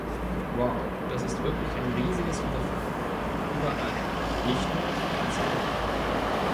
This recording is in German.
Wow, das ist wirklich ein riesiges Unterfangen, überall, nicht nur in ganz Europa!